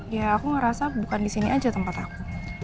ya aku ngerasa bukan di sini aja tempat aku